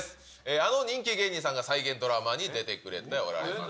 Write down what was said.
あの人気芸人さんが再現ドラマに出てくれておられます。